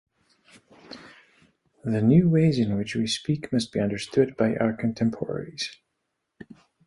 The new ways in which we speak must be understood by our contemporaries.